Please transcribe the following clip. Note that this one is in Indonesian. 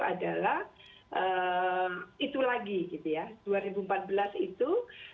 adalah itu lagi dua ribu empat belas itu dua ribu sembilan belas itu